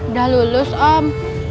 udah lulus om